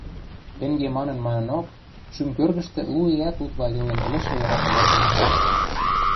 Тенге манын-манынок, шӱм кӧргӹштӹ лу иӓт утла йылен ӹлӹшӹ яратымашым пӹтӓрӹшӹм